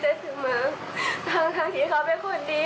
ทั้งที่เขาเป็นคนดี